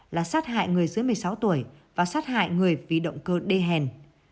là sát hại người dưới một mươi sáu tuổi và sát hại người vì động cơ đê hèn